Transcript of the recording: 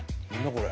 これ。